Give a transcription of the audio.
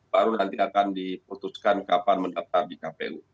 baru nanti akan diputuskan kapan mendaftar di kpu